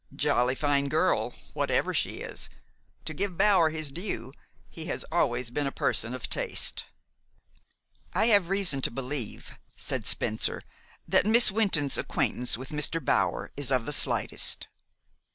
"Jolly fine girl, whatever she is. To give Bower his due, he has always been a person of taste." "I have reason to believe," said Spencer, "that Miss Wynton's acquaintance with Mr. Bower is of the slightest."